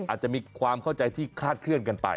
อาจจะมีความเข้าใจที่คาดเคลื่อนกันไป